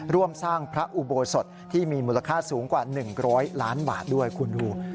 ร่วมสร้างพระอุโบสถที่มีมูลค่าสูงกว่า๑๐๐ล้านบาทด้วยคุณดู